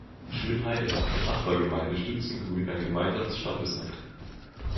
Schönheide hat mit der Nachbargemeinde Stützengrün ein gemeinsames Standesamt.